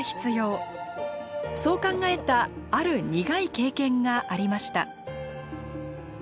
そう考えたある苦い経験がありました。